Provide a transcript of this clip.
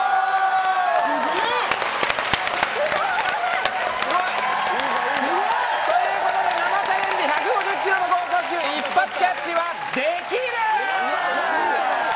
すげえ！ということで生チャレンジ１５０キロの豪速球一発キャッチはできる！